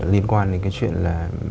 liên quan đến cái chuyện là